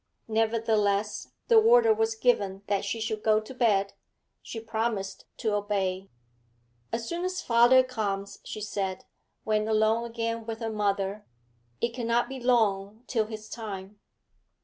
Nevertheless, the order was given that she should go to bed. She promised to obey. 'As soon as father comes,' she said, when alone again with her mother. 'It cannot be long till his time.'